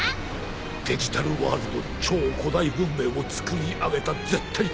デジタルワールド超古代文明を創り上げた絶対的支配者。